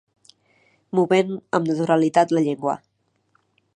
Movent amb naturalitat la llengua